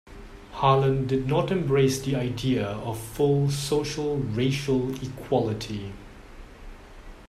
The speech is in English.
Harlan did not embrace the idea of full social racial equality.